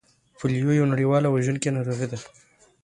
پولیو یوه نړیواله وژونکې ناروغي ده